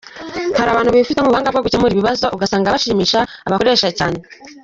Hari abantu bifitemo ubuhanga bwo gukemura ibibazo, ugasanga bashimisha abakoresha cyane.